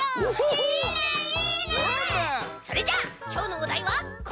それじゃあきょうのおだいはこれ！